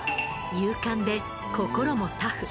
勇敢で心もタフ。